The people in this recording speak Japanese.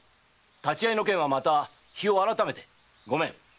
立ち合いの件はまた日を改めて御免。